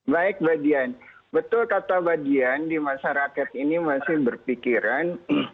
baik mbak dian betul kata mbak dian di masyarakat ini masih berpikiran